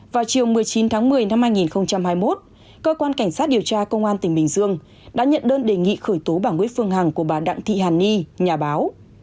vào chiều một mươi chín tháng một mươi năm hai nghìn hai mươi một cơ quan cảnh sát điều tra công an tỉnh bình dương đã nhận đơn đề nghị khởi tố bà nguyễn phương hằng của bà đặng thị hàn ni nhà báo